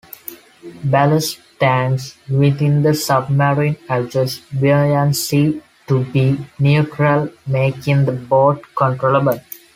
Ballast tanks within the submarine adjust buoyancy to be neutral, making the boat controllable.